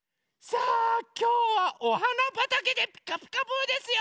さあきょうはおはなばたけで「ピカピカブ！」ですよ！